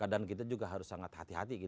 dan kita juga harus sangat hati hati